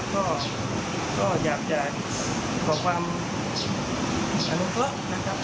ก็อยากจะบอกความอรุณเพิ่ม